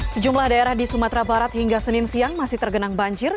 sejumlah daerah di sumatera barat hingga senin siang masih tergenang banjir